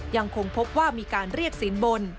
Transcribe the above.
ยังคงพบว่ามีการเรียกสินบน